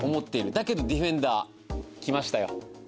だけど、ディフェンダーきましたよ。